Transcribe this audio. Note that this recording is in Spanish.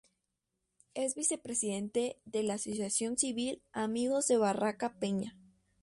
Es vicepresidente de la Asociación Civil Amigos De Barraca Peña.